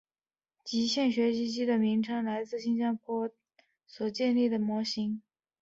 极限学习机的名称来自新加坡南洋理工大学黄广斌教授所建立的模型。